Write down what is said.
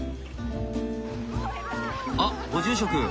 あっご住職！